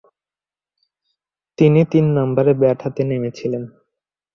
তিনি তিন নম্বরে ব্যাট হাতে নেমেছিলেন।